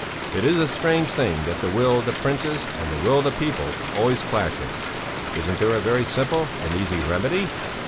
"'It is a strange thing that the will of the princes and the will of the people always clashes. Isn't there a very simple and easy remedy?